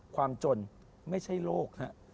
ความจนไม่ใช่โลกฮะ